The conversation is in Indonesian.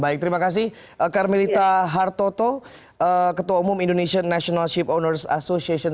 baik terima kasih karmelita hartoto ketua umum indonesian national ship owners association